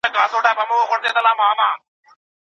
په اوږده موده کې بدلون ته پرمختيا وواياست.